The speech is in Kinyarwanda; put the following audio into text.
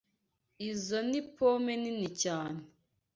Izo ni pome nini cyane.